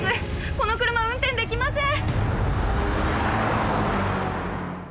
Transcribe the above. この車運転できません！